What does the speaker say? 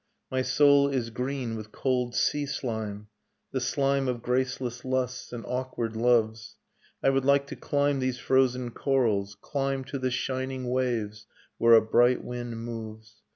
My soul is green with cold sea slime. The slime of graceless lusts and awkward loves. .. I would like to climb these frozen corals, climb To the shining waves where a bright wind moves